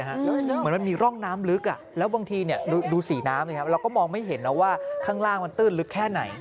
เหมือนมันมีร่องน้ำลึกแล้วบางทีดูสีน้ำเราก็มองไม่เห็นนะว่าข้างล่างมันตื้นลึกแค่ไหน